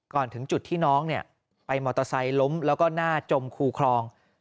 ถึงจุดที่น้องไปมอเตอร์ไซค์ล้มแล้วก็หน้าจมคูคลอง